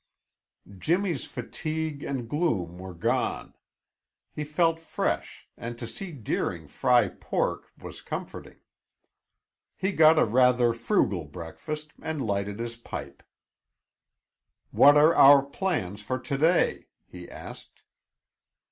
Jimmy's fatigue and gloom were gone; he felt fresh and to see Deering fry pork was comforting. He got a rather frugal breakfast and lighted his pipe. "What are our plans for to day?" he asked.